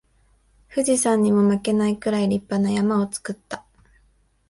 富士山にも負けないくらい立派な山を作った